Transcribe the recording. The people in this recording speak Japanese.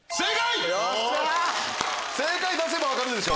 正解！